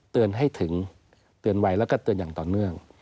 เตือนให้ถึงเตือนไวแล้วก็เตือนอย่างต่อเนื่อง